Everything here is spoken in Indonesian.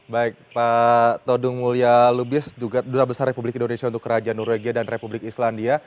baik pak todung mulya lubis juga duta besar republik indonesia untuk kerajaan norwegia dan republik islandia